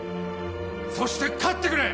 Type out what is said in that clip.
そして勝ってくれ」